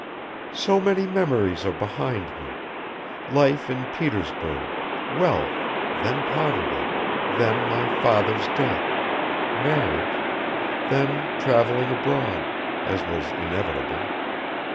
"So many memories are behind me; life in Petersburg, wealth, then poverty, then my father's death, marriage, then traveling abroad, as was inevitable